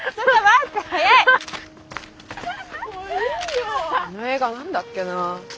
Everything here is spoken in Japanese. あの映画何だっけな。